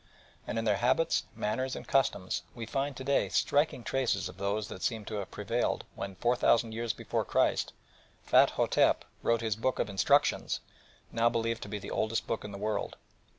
And in their habits, manners, and customs, we find to day striking traces of those that seem to have prevailed when four thousand years before Christ, Ptah hotep wrote his book of "Instructions," now believed to be the oldest book in the world.